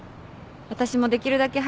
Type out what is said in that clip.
私もできるだけ早く帰るね。